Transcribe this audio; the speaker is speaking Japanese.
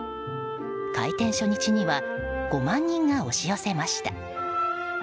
開店初日には５万人が押し寄せました。